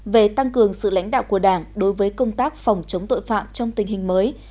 về tăng cường sự lãnh đạo của đảng đối với công tác phòng chống tội phạm trong tình hình mới